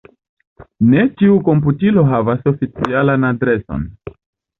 Ne ĉiu komputilo havas oficialan adreson.